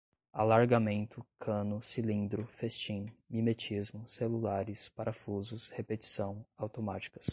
alargamento, cano, cilindro, festim, mimetismo, celulares, parafusos, repetição, automáticas